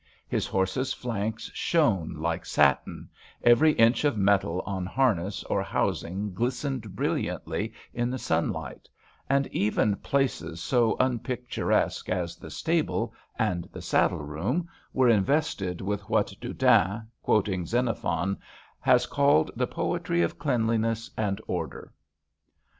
His horses' flanks shone like satin, every inch of metal on harness or housing glistened brilliantly in the sunlight ; and even places II HAMPSHIRE VIGNETTES so unpicturesque as the stable and the saddle room were invested with what Doudan, quoting Xenophon, has called the poetry of cleanliness and order.